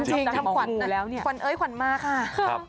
จริงทำขวัญเอ้ยขวัญมาค่ะ